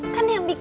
kan yang bikin aku